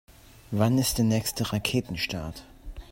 Wann ist der nächste Raketenstart?